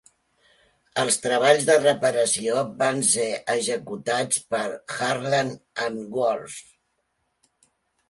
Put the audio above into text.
Els treballs de reparació van ser executats per Harland and Wolff.